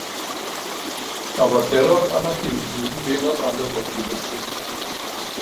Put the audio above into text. Aber Terror und Anarchie im Süden gehen auf andere Motive zurück.